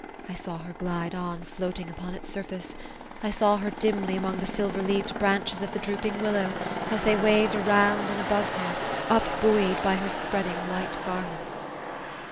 I saw her glide on, floating upon its surface ; I saw her dimly, among the silver leaved branches of the drooping willow, as they waved around and above her, up buoyed by her spreading white garments.